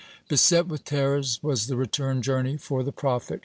(43) Beset with terrors was the return journey for the prophet.